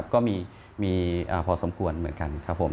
ก็มีพอสมควรเหมือนกันครับผม